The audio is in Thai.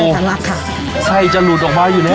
โอ้โหไส้ถลักค่ะไส้จะหลุดออกไปอยู่เนี้ย